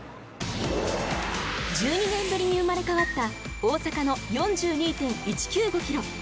１２年ぶりに生まれ変わった大阪の４２．１９５キロ。